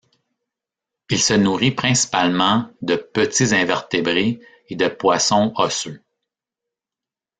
Il se nourrit principalement de petits invertébrés et de poissons osseux.